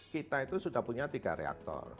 kita itu sudah punya tiga reaktor